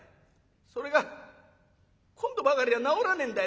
それが今度ばかりは治らねえんだ。